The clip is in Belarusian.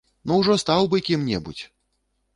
Ну ўжо стаў бы кім-небудзь!